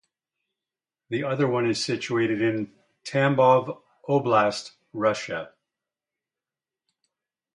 The other one is situated in Tambov Oblast, Russia.